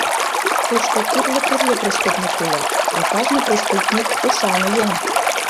Тушто тӱрлӧ-тӱрлӧ преступник уло, а кажне преступник — ушан еҥ.